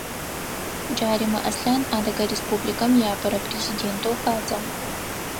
Джарымэ Аслъан Адыгэ Республикэм иапэрэ президентэу хадзыгъ.